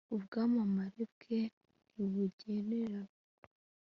ubwamamare bwe ntibugereranywa